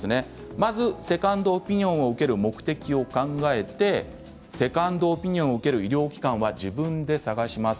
まずセカンドオピニオンを受ける目的を考えてセカンドオピニオンを受ける医療機関を自分で探します。